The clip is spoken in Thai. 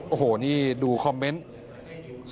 โอ้โหนี่ดูคอมเมนต์